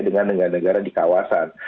dengan negara negara di kawasan